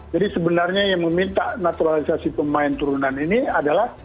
jadi sebenarnya yang meminta naturalisasi pemain turunan ini adalah